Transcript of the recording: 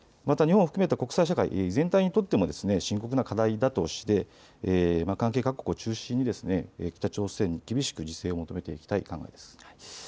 また日本を含めた国際社会全体にとっても深刻な課題だとして関係各国を中心に北朝鮮に厳しく自制を求めていきたい考えです。